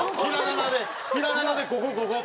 ひらがなで「ここここ」と。